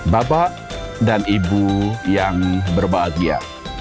bapak dan ibu yang berbahagia